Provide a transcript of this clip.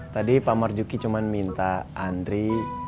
tadi pak marjuki cuma minta andri